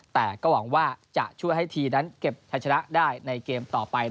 แต่ก็หวังว่าจะช่วยให้ทีมนั้นเก็บไทยชนะได้ในเกมต่อไป